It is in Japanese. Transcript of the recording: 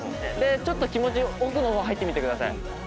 でちょっと気持ち奥の方入ってみてください。